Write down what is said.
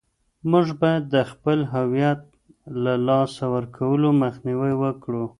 موږ باید د خپل هویت له لاسه ورکولو مخنیوی وکړو.